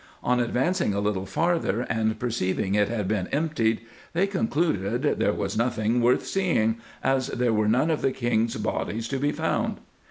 On advancing a little farther, and perceiving it had been emptied, they concluded there was nothing worth seeing, as there were none of the kings' bodies to be found.